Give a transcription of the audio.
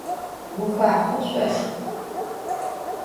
Guxaxhou şsoşşx!